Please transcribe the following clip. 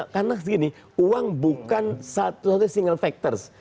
karena segini uang bukan satu satunya single factor